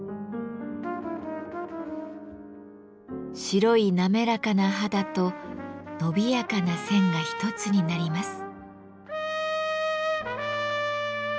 白い滑らかな肌と伸びやかな線が一つになります。